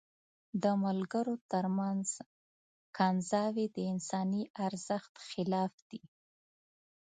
د ملګرو تر منځ کنځاوي د انساني ارزښت خلاف دي.